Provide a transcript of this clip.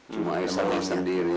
cuma aisyah sendiri